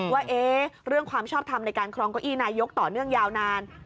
ว่าเรื่องความชอบทำในการครองเก้าอี้นายกต่อเนื่องยาวนาน